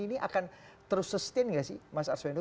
ini akan terus sustain nggak sih mas arswendo